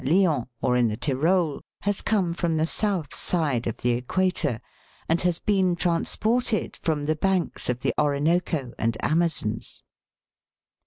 Lyons, or in the Tyrol, has come from the south side of the equator, and has been transported from the banks of the Orinoco and Amazons.